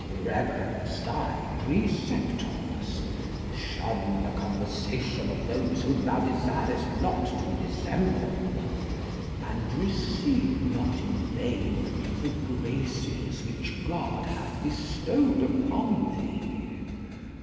Reverence thy preceptors: shun the conversation of those whom thou desirest not to resemble, and receive not in vain the graces which God hath bestowed upon thee.